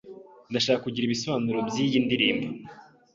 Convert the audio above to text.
Ndashaka kugira ibisobanuro byiyi ndirimbo.